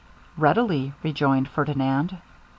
'Readily,' rejoined Ferdinand.